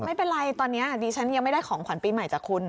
ไม่เป็นไรตอนนี้ดิฉันยังไม่ได้ของขวัญปีใหม่จากคุณ